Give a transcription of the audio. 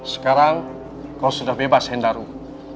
sekarang invisible cuatro yerdem